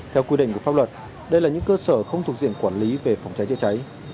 theo quy định của pháp luật đây là những cơ sở không thuộc diện quản lý về phòng cháy chữa cháy